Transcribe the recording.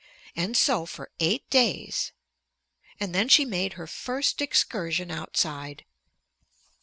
And so for eight days. And then she made her first excursion outside.